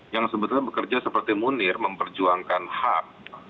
yang sebetulnya bekerja seperti munir memperjuangkan hak